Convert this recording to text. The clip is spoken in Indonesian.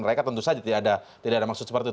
mereka tentu saja tidak ada maksud seperti itu